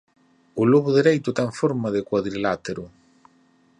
O lobo dereito ten forma de cuadrilátero.